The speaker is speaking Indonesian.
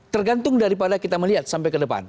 tergantung daripada kita melihat sampai ke depan